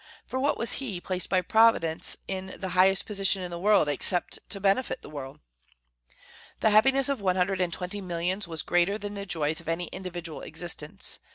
For what was he placed by Providence in the highest position in the world, except to benefit the world? The happiness of one hundred and twenty millions was greater than the joys of any individual existence.